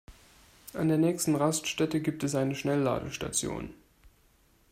An der nächsten Raststätte gibt es eine Schnellladestation.